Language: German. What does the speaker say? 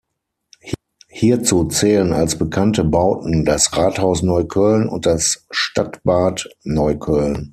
Hierzu zählen als bekannte Bauten das Rathaus Neukölln und das Stadtbad Neukölln.